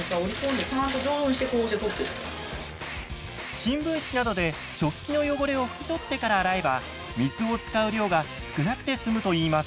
新聞紙などで食器の汚れをふきとってから洗えば水を使う量が少なくて済むといいます。